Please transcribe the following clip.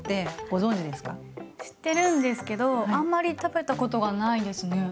知ってるんですけどあんまり食べたことがないですね。